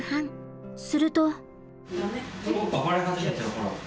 すると。